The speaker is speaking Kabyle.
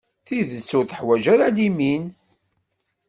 Tidet ur teḥwaǧ ara limin.